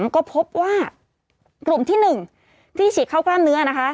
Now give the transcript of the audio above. ก็พบว่ากลุ่มที่๑ที่ฉีดเข้ากล้ามเนื้อนะคะ